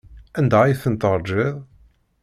Anda ay tent-teṛjiḍ?